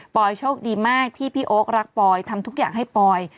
โชคดีมากที่พี่โอ๊ครักปอยทำทุกอย่างให้ปอย